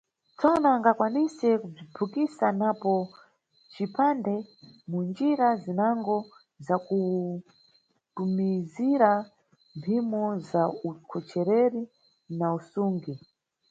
Tsono, angakwanise kubziphukisa napo mcipande, mu njira zinango zakutumikira mphimo za ukhochereri na usungi.